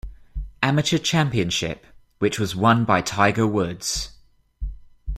Amateur Championship, which was won by Tiger Woods.